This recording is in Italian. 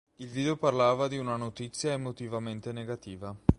Il video parlava di una notizia emotivamente negativa.